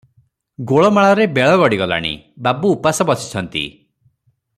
ଗୋଳମାଳରେ ବେଳ ଗଡିଗଲାଣି, ବାବୁ ଉପାସ ବସିଛନ୍ତି ।